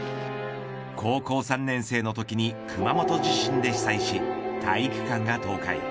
高校３年生のときに熊本地震で被災し体育館が倒壊。